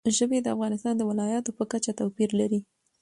ژبې د افغانستان د ولایاتو په کچه توپیر لري.